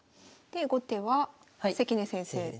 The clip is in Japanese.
で後手は関根先生。